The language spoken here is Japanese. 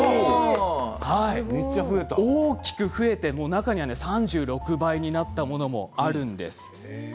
大きく増えて中には３６倍になったものもあるんです。